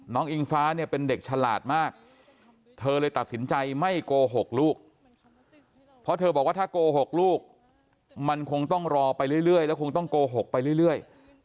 อิงฟ้าเนี่ยเป็นเด็กฉลาดมากเธอเลยตัดสินใจไม่โกหกลูกเพราะเธอบอกว่าถ้าโกหกลูกมันคงต้องรอไปเรื่อยแล้วคงต้องโกหกไปเรื่อย